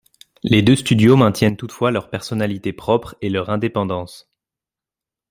Les deux studios maintiennent toutefois leur personnalités propres et leur indépendance.